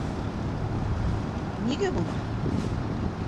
Нигә булмаһын?